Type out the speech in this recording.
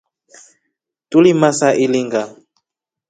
Tulimaa saa ilinga.